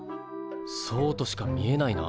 そうとしか見えないな。